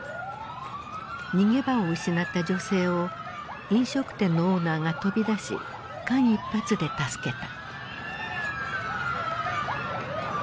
逃げ場を失った女性を飲食店のオーナーが飛び出し間一髪で助けた。